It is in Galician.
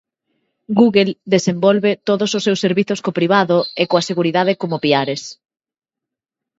Google desenvolve todos os seus servizos co privado e coa seguridade como piares.